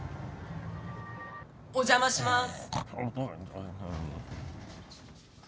・お邪魔します。